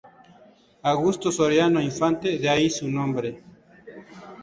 Augusto Soriano Infante, de ahí su nombre.